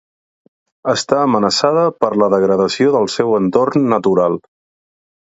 Està amenaçada per la degradació del seu entorn natural.